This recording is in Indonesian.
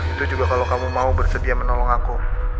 itu juga kalau kamu mau bersedia menolong aku